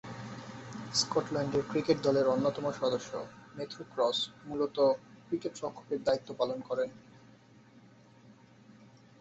Scotland cricket দলের অন্যতম সদস্য ম্যাথু ক্রস মূলতঃ উইকেট-রক্ষকের দায়িত্ব পালন করেন।